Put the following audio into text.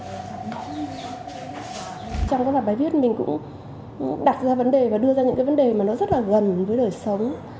trong các bài viết mình cũng đặt ra vấn đề và đưa ra những vấn đề rất gần với đời sống